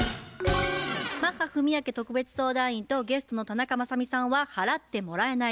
マッハ文朱特別相談員とゲストの田中雅美さんは「払ってもらえない」